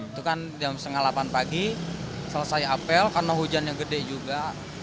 itu kan jam setengah delapan pagi selesai apel karena hujannya gede juga